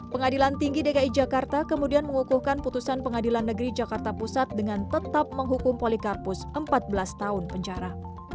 pengadilan tinggi dki jakarta kemudian mengukuhkan putusan pengadilan negeri jakarta pusat dengan tetap menghukum polikarpus empat belas tahun penjara